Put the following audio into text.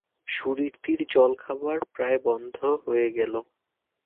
সুরীতির জলখাবার প্রায় বন্ধ হয়ে গেল।